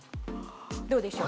どうでしょう？